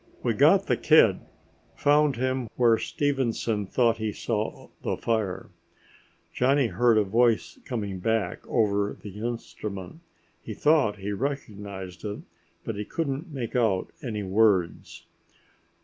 "We got the kid found him where Stevenson thought he saw the fire." Johnny heard a voice coming back over the instrument. He thought he recognized it, but he couldn't make out any words.